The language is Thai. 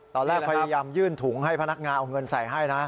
พยายามยื่นถุงให้พนักงานเอาเงินใส่ให้นะ